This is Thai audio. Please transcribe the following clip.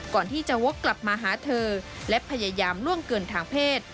ก่อนที่จะวกกลับมาหาเธอและพยายามล่วงเกินทางเพศ